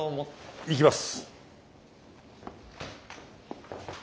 行きます。